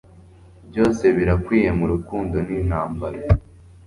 Byose birakwiye murukundo nintambara